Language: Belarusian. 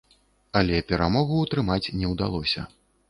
Але перамогу ўтрымаць не ўдалося.